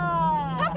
パパ！